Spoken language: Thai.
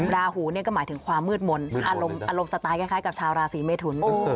ราหูนะก็หมายถึงความมืดมนอารมณ์สไตล์แค่กับชาวราศิเมถุ